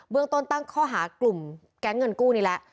เมืองต้นตั้งข้อหากลุ่มแก๊งเงินกู้นี่แหละ